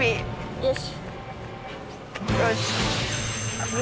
よし！